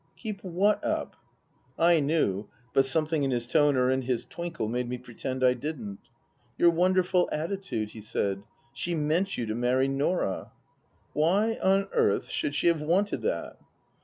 " Keep what up ?" (I knew ; but something in his tone or in his twinkle made me pretend I didn't.) " Your wonderful attitude," he said. " She meant you to marry Norah." " Why on earth should she have wanted that